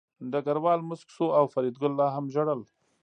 ډګروال موسک شو او فریدګل لا هم ژړل